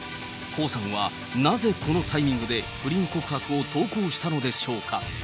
彭さんは、なぜこのタイミングで不倫告白を投稿したのでしょうか。